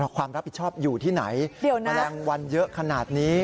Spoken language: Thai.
ความรับผิดชอบอยู่ที่ไหนแมลงวันเยอะขนาดนี้